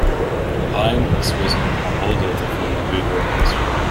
Hines was a holdover from the Hoover administration.